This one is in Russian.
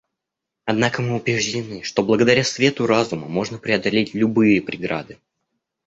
Однако мы убеждены, что, благодаря свету разума, можно преодолеть любые преграды.